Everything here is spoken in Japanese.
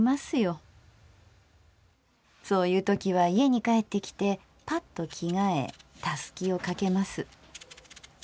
そういうときは家に帰ってきてパッと着替えたすきをかけます。